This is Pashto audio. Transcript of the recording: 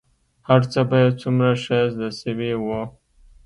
هرڅه به يې څومره ښه زده سوي وو.